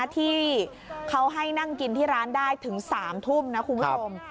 ที่เขาให้นั่งกินที่ร้านได้ถึง๓ทุ่มนะคุณผู้ชม